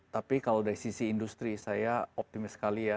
tapi kalau dari sisi industri saya optimis sekali ya